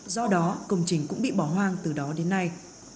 do đó công trình cũng bị bỏ hoang từ đó đến nay